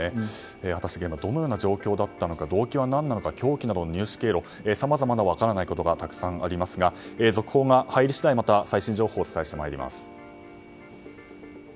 現場どのような状況だったのか動機は何なのか凶器などの入手経路さまざまな分からないことがたくさんありますが情報が入り次第最新情報をお伝えします。